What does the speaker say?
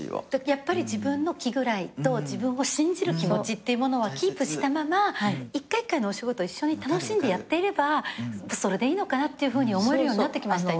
やっぱり自分の気位と自分を信じる気持ちというものはキープしたまま一回一回のお仕事を一緒に楽しんでやっていればそれでいいのかなっていうふうに思えるようになってきました